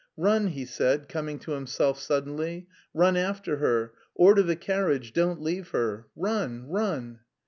"Run," he said, coming to himself suddenly, "run after her, order the carriage, don't leave her.... Run, run!